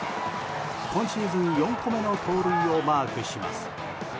今シーズン４個目の盗塁をマークします。